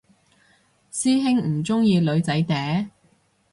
師兄唔鍾意女仔嗲？